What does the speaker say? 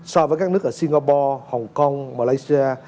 so với các nước ở singapore hong kong malaysia